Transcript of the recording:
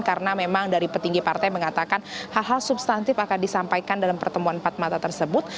karena memang dari petinggi partai mengatakan hal hal substantif akan disampaikan dalam pertemuan empat mata tersebut